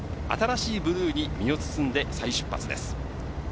新しいブルーに身を包んで再出発です。